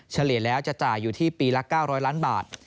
เฉลี่ยแล้วจะจ่ายอยู่ที่ปีละ๙๐๐ล้านบาท